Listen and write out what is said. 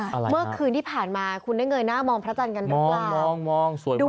เมื่อคืนที่ผ่านมาคุณได้เงยหน้ามองพระจันทร์กันหรือเปล่า